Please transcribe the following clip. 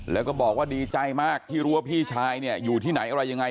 แล้วก็บอกว่าดีใจมากที่รู้ว่าพี่ชายเนี่ยอยู่ที่ไหนอะไรยังไง